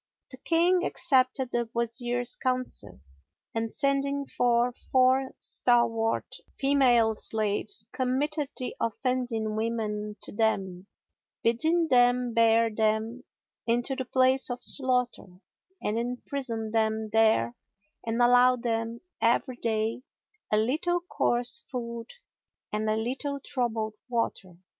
'" The King accepted the Wazir's counsel and sending for four stalwart female slaves, committed the offending women to them, bidding them bear them into the place of slaughter and imprison them there and allow them every day a little coarse food and a little troubled water.